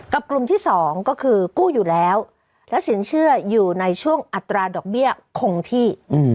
กลุ่มที่๒ก็คือกู้อยู่แล้วและสินเชื่ออยู่ในช่วงอัตราดอกเบี้ยคงที่